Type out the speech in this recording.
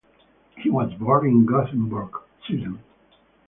He was born in Gothenburg, Sweden.